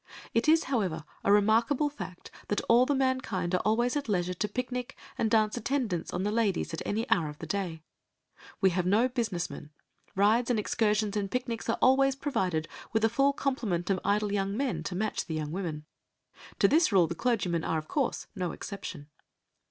It is, however, a remarkable fact that all the mankind are always at leisure to picnic and dance attendance on the ladies at any hour of the day; we have no business men; rides and excursions and picnics are always provided with a full complement of idle young men to match the young women. To this rule the clergymen are, of course, no exception.